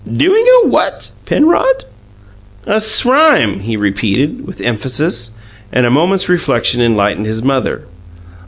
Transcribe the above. "Doing a what, Penrod?" "A SRIME!" he repeated, with emphasis; and a moment's reflection enlightened his mother.